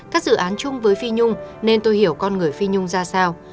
các dự án chung với phi nhung nên tôi hiểu con người phi nhung ra sao